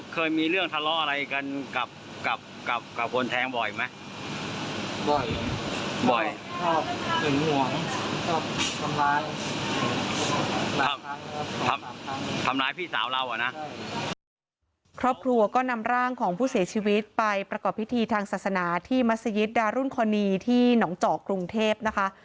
เคยนำร่างของผู้เสียชีวิตไปประกอบพิธีทางศาสนาที่มัศยิตดารุนคอนีที่หนองเจาะกรุงเทพนะคะ